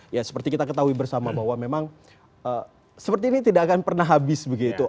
ya seperti kita ketahui bersama bahwa memang seperti ini tidak akan pernah habis begitu